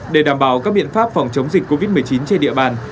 để đảm bảo các biện pháp phòng chống dịch covid một mươi chín trên địa bàn